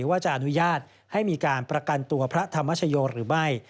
ว่าจะอนุญาตให้มีการประกันตัวพระธรรมชโยหรือไม่